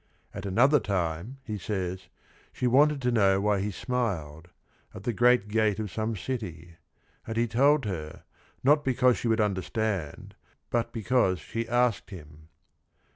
At another time, he says, she wanted to know why he smiled at the great gate of some city; and he told her, not because she would un derstand, but because she asked him.